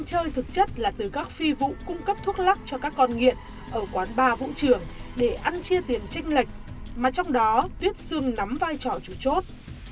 để cô ăn chơi thực chất là từ các phi vũ cung cấp thuốc lắc cho các con nghiện ở quán bà vũ trường để ăn chia tiền tranh lệch mà trong đó tuyết sương nắm vai trò chủ chốt